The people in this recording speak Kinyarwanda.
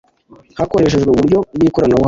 hakoreshejwe uburyo bw ikoranabuhanga